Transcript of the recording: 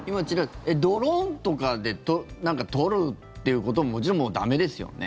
ドローンとかで撮るっていうことももちろん駄目ですよね？